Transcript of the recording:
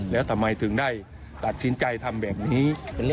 แล้วทำไมถึงได้ตัดสินใจทำแบบนี้